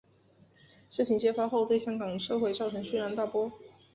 事件揭发后对香港社会造成轩然大波。